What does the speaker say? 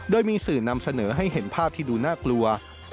โดยมีสื่อนำเสนอให้เห็นภาพที่ดูน่ากลัว